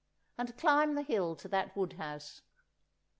and climb the hill to that wood house.